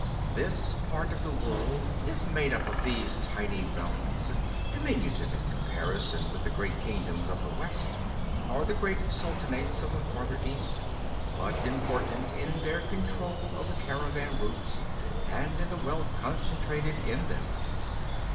This part of the world is made up of these tiny realms, diminutive in comparison with the great kingdoms of the West, or the great sultanates of the farther East, but important in their control of the caravan routes, and in the wealth concentrated in them.